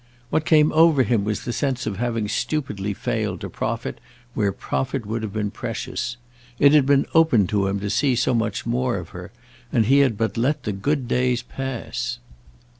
What came over him was the sense of having stupidly failed to profit where profit would have been precious. It had been open to him to see so much more of her, and he had but let the good days pass.